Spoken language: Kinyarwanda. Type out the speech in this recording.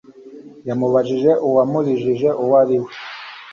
yamubajije uwamurijije uwariwe